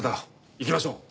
行きましょう。